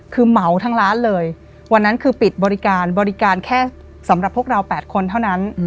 คือเหมาทั้งร้านเลยวันนั้นคือปิดบริการบริการแค่สำหรับพวกเรา๘คนเท่านั้น